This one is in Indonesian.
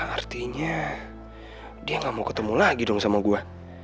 artinya dia gak mau ketemu lagi dong sama gue